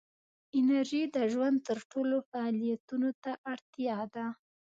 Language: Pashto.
انرژي د ژوند ټولو فعالیتونو ته اړتیا ده.